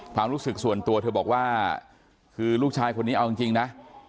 ความรู้สึกส่วนตัวเธอบอกว่าคือลูกชายคนนี้เอาจริงนะ